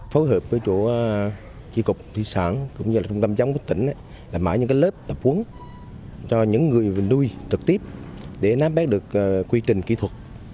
phối hợp với chủ trị cục thủy sản cũng như trung tâm giống của tỉnh là mở những lớp tập huống cho những người đuôi trực tiếp để nát bét được quy trình kỹ thuật